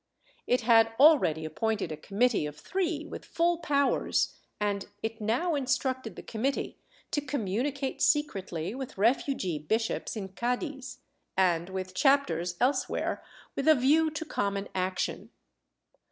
It had already appointed a committee of three with full powers, and it now instructed the committee to communicate secretly with refugee bishops in Cddiz, and with chapters else where, with a view to common action.